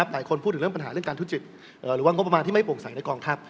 หรือว่างบประมาณที่ไม่โปร่งใส่ในกองทัพ